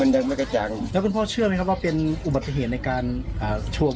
ทีมข่าว